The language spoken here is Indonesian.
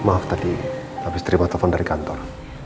maaf tadi habis terima telepon dari kantor